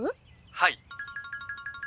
はい。